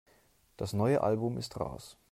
Das neue Album ist raus.